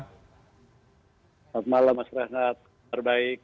selamat malam mas rehat terbaik